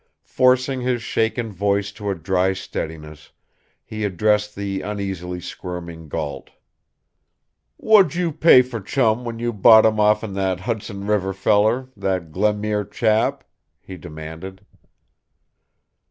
Forcing his shaken voice to a dry steadiness, he addressed the uneasily squirming Gault. "What d'j' you pay for Chum when you bought him off'n that Hudson River feller that Glenmuir chap?" he demanded.